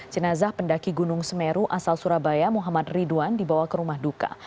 jenazah pendaki gunung semeru asal surabaya muhammad ridwan dibawa ke rumah duka